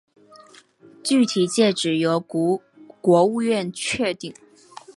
具体界址由国务院确定。